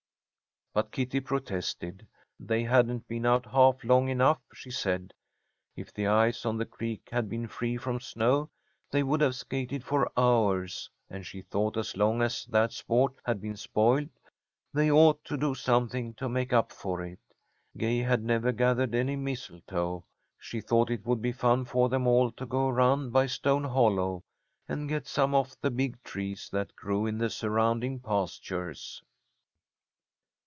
But Kitty protested. They hadn't been out half long enough, she said. If the ice on the creek had been free from snow, they would have skated for hours, and she thought as long as that sport had been spoiled, they ought to do something to make up for it. Gay had never gathered any mistletoe. She thought it would be fun for them all to go around by Stone Hollow, and get some off the big trees that grew in the surrounding pastures.